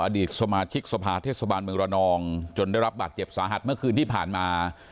อดีตสมาชิกสภาเทศบาลเมืองระนองจนได้รับบาดเจ็บสาหัสเมื่อคืนที่ผ่านมา